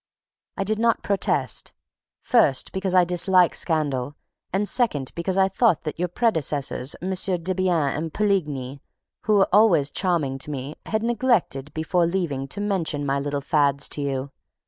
I did not protest, first, because I dislike scandal, and, second, because I thought that your predecessors, MM. Debienne and Poligny, who were always charming to me, had neglected, before leaving, to mention my little fads to you.